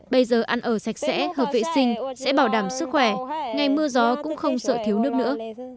bây giờ ăn ở sạch sẽ hợp vệ sinh sẽ bảo đảm sức khỏe ngày mưa gió cũng không sợ thiếu nước nữa